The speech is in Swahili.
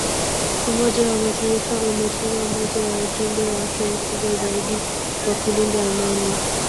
Umoja wa Mataifa umetuma moja ya ujumbe wake mkubwa zaidi wa kulinda amani